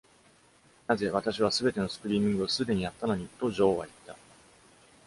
なぜ、私は全てのスクリーミングをすでにやったのに、と女王は言った。